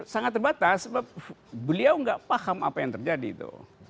sangat terbatas sebab beliau nggak paham apa yang terjadi itu